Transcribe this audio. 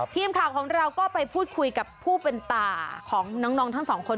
ทีมข่าวของเราก็ไปพูดคุยกับผู้เป็นตาของน้องทั้งสองคน